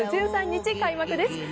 ８月１３日開幕です。